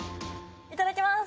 いただきます。